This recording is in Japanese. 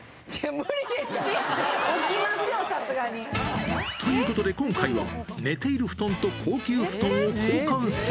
無理でしょ、起きますよ、ということで今回は、寝ている布団と高級布団を交換する。